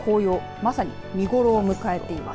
まさに見頃を迎えています。